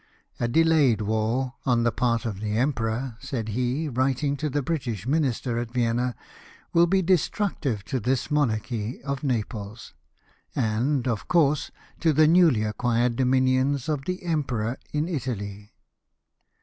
" A delayed war, on the part of the emperor;" said he, writing to the British minister at Vienna, " will be destructive to this monarchy of Naples, and, of course, to the newly acquired dominions of the emperor in Italy.